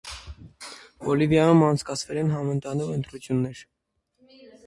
Բոլիվիայում անցկացվել են համընդհանուր ընտրություններ։